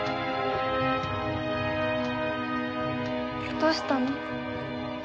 どうしたの？